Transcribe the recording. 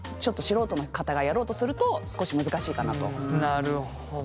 なるほど。